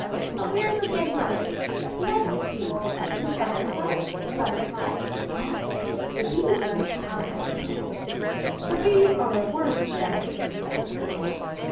But we are forgetting our list. Let's see—the Fireflies, Butterflies, Moths. The Bees must come, I suppose." "The Bees are a worthy family," said the colonel.